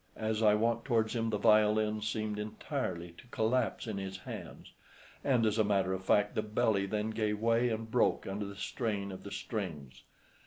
As I walked towards him the violin seemed entirely to collapse in his hands, and, as a matter of fact, the belly then gave way and broke under the strain of the strings.